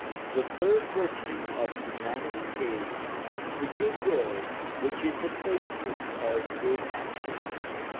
The third virtue of humanity, is the goodwill which is the basis of good actions.